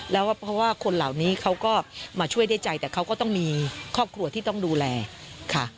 แล้วก็เพราะว่าคนเหล่านี้เขาก็มาช่วยได้ใจแต่เขาก็ต้องมีครอบครัวที่ต้องดูแลค่ะ